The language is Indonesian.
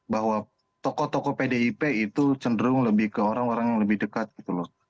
bahwa tokoh tokoh pdip itu cenderung lebih ke orang orang yang lebih dekat gitu loh